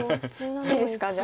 いいですかじゃあ。